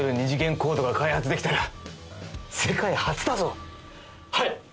２次元コードが開発できたら、世界初だはい。